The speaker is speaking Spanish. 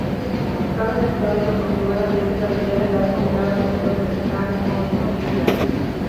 Cada sector es aproximadamente la mitad de largo que cada sector del "Hang-On" original.